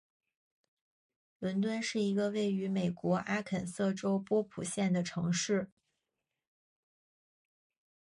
伦敦是一个位于美国阿肯色州波普县的城市。